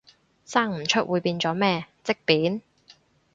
生唔出會變咗咩，積便？